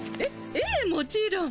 ええもちろん。